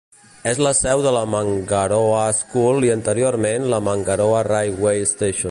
És la seu de la Mangaroa School i, anteriorment, la Mangaroa Railway Station.